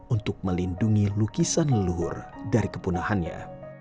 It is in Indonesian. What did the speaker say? untuk melindungi lukisan leluhur dari kepunahannya